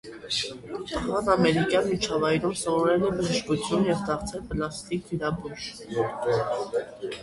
Տղան ամերիկյան միջավայրում սովորել է բժշկություն և դարձել պլաստիկ վիրաբույժ։